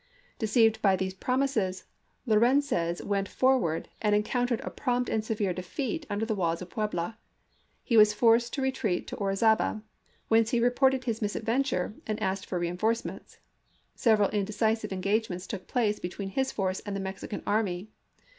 Deceived by these promises Lo rencez went forward and encountered a prompt and severe defeat under the walls of Puebla; he was forced to retreat to Orizaba, whence he re ported his misadventure and asked for reenforce ments. Several indecisive engagements took place between his force and the Mexican army.